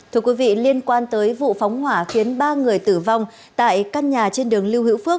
thưa quý vị liên quan tới vụ phóng hỏa khiến ba người tử vong tại căn nhà trên đường lưu hữu phước